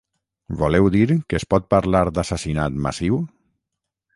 Voleu dir que es pot parlar d'assassinat massiu?